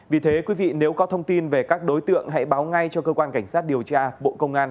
vì thế quý vị nếu có thông tin về các đối tượng hãy báo ngay cho cơ quan cảnh sát điều tra bộ công an